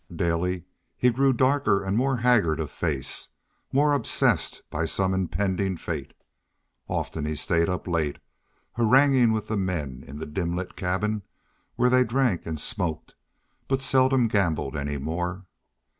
Daily he grew darker and more haggard of face, more obsessed by some impending fate. Often he stayed up late, haranguing with the men in the dim lit cabin, where they drank and smoked, but seldom gambled any more.